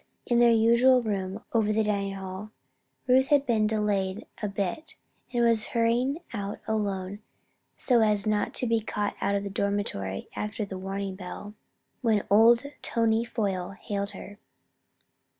's in their usual room over the dining hall, Ruth had been delayed a bit and was hurrying out alone so as not to be caught out of the dormitory after warning bell, when old Tony Foyle hailed her.